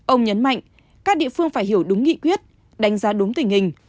ông nhấn mạnh các địa phương phải hiểu đúng nghị quyết đánh giá đúng tình hình